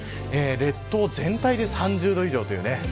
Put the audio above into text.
列島全体で３０度以上という。